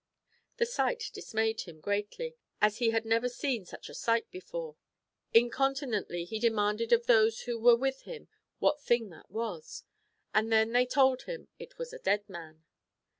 The sight dismayed him greatly, as he never had seen such a sight before. Incon tinently he demanded of those who were with him what 258 MARCO POLO. Book 111. thing that was r and then they told him it was a dead man.